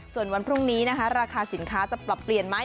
ส่วนวันพรุ่งนี้นะคะราคาสินค้าจะปรับเปลี่ยนไหม